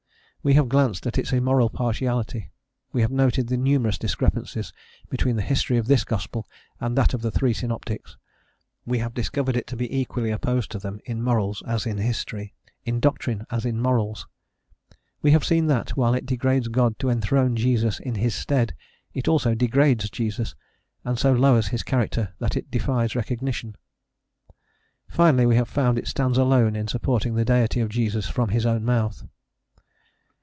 We have glanced at its immoral partiality. We have noted the numerous discrepancies between the history of this gospel and that of the three synoptics. We have discovered it to be equally opposed to them in morals as in history: in doctrine as in morals. We have seen that, while it degrades God to enthrone Jesus in His stead, it also degrades Jesus, and so lowers his character that it defies recognition. Finally, we have found it stands alone in supporting the Deity of Jesus from his own mouth.